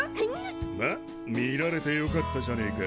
まっ見られてよかったじゃねえか。